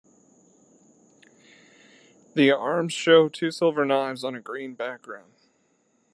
The arms show two silver knives on a green background.